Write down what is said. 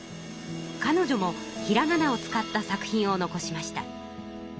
かのじょもひらがなを使った作品を残しました。